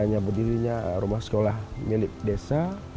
dengan adanya berdirinya rumah sekolah milik desa